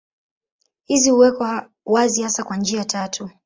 Hizi huwekwa wazi hasa kwa njia tatu.